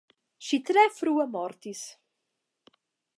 Ŝi tre frue mortis.